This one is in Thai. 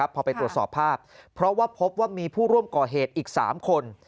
พอไปตรวจสอบภาพเพราะว่าพบว่ามีผู้ร่วมก่อเหตุอีก๓คน